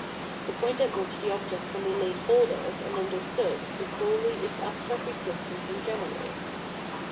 The point at which the object can be laid hold of and understood is solely its abstract existence in general.